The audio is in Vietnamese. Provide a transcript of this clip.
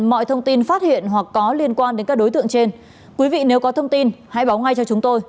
mọi thông tin phát hiện hoặc có liên quan đến các đối tượng trên quý vị nếu có thông tin hãy báo ngay cho chúng tôi